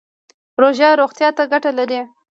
روژه روغتیا ته ګټه لري